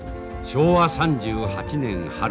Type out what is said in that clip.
昭和３８年春。